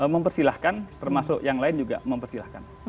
mempersilahkan termasuk yang lain juga mempersilahkan